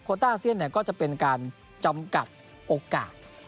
ต้าอาเซียนก็จะเป็นการจำกัดโอกาส